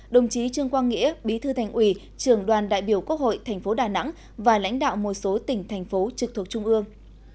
đồng chí trương quang nghĩa bí thư thành ủy trường đoàn đại biểu quốc hội tp đà nẵng và lãnh đạo một số tỉnh thành phố trực thuộc trung ương